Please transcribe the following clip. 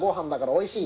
おいしい？